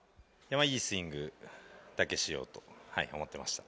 いいスイングだけしようと思っていました。